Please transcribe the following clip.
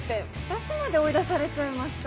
私まで追い出されちゃいましたよ。